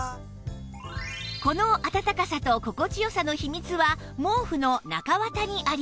この暖かさと心地よさの秘密は毛布の中綿にあります